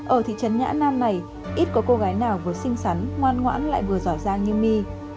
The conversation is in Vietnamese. ở thị trấn nhã nam này ít có cô gái nào vừa xinh xắn ngoan ngoãn lại vừa rõ ràng như my